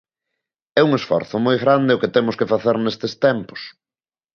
É un esforzo moi grande o que temos que facer nestes tempos.